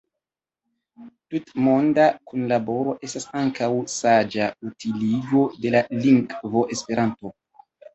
Tutmonda kunlaboro estas ankaŭ saĝa utiligo de la lingvo Esperanto.